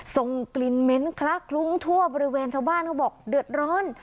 ส่งกลิ่นเหม็นคลักคลุ้งทั่วบริเวณชาวบ้านเขาบอกเดือดร้อน